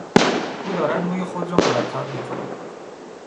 او دارد موی خود را مرتب میکند.